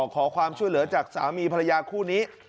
ขอความช่วยเหลือจากสามีภรรยาคู่นี้